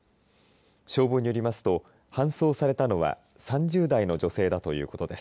消防によりますと搬送されたのは３０代の女性だということです。